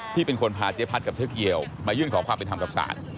ที่เป็นคนพาเจ๊พัดกับเจ๊เกียวมายื่นขอความเป็นธรรมกับศาล